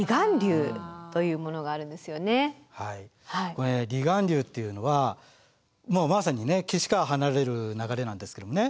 これ離岸流っていうのはもうまさにね岸から離れる流れなんですけどね